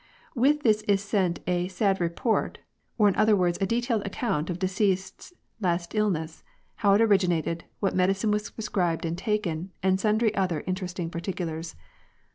With this is sent a " sad report," or in other words a detailed account of deceased's last illness, how it originated, what medicine was prescribed and taken, and sundry other interesting particulars.